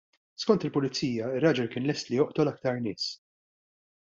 Skont il-Pulizija, ir-raġel kien lest li joqtol iktar nies.